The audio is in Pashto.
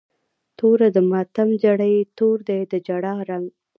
توره د ماتم جړۍ، تور دی د جړا رنګ